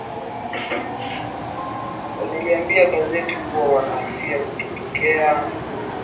wameliambia gazeti kuwa wanahofia kutokea tena kwa ghasia za baada ya uchaguzi kama zile za mwaka elfu mbili na saba ambazo ziliitikisa Kenya